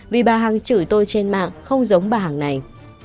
vì bà hằng chửi tôi trên mạng không giống bà hằng này